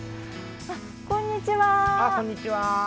こんにちは。